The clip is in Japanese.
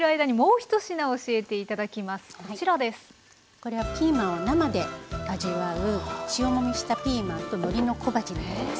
これはピーマンを生で味わう塩もみしたピーマンとのりの小鉢になります。